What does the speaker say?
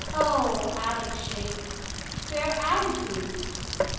5.O Attic shape! Fair attitude!